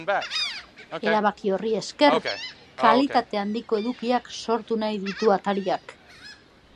Erabaki horri esker, kalitate handiko edukiak sortu nahi ditu atariak.